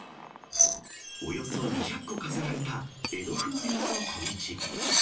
およそ２００個飾られた江戸風鈴の小道。